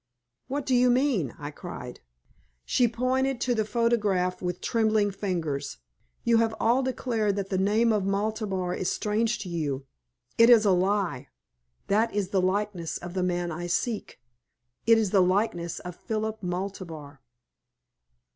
"What do you mean?" I cried. She pointed to the photograph with trembling fingers. "You have all declared that the name of Maltabar is strange to you. It is a lie! That is the likeness of the man I seek. It is the likeness of Philip Maltabar."